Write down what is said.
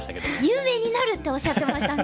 「有名になる！」っておっしゃってましたね。